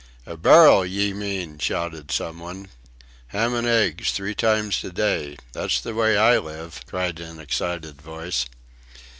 "A barrel ye mean," shouted someone. "Ham an' eggs three times a day. That's the way I live!" cried an excited voice.